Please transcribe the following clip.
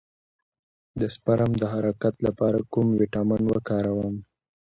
د سپرم د حرکت لپاره کوم ویټامین وکاروم؟